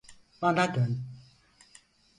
Bana dön.